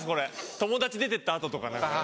友達出てった後とか。